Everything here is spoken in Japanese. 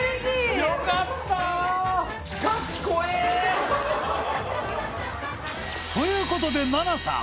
よかった！ということで菜那さん